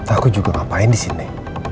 aku juga ngapain disini